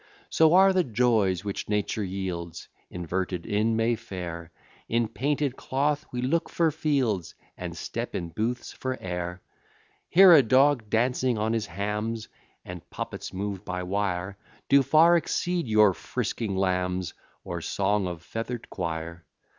III So are the joys which Nature yields Inverted in May Fair, In painted cloth we look for fields, And step in Booths for air. IV Here a Dog dancing on his hams And puppets mov'd by wire, Do far exceed your frisking lambs, Or song of feather'd quire.